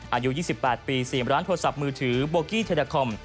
อายุ๒๘ปี๔ร้านโทรศัพท์มือถือโบกี้เทนาคอม